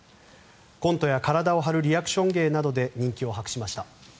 コントや体を張るリアクション芸などで人気を博しました。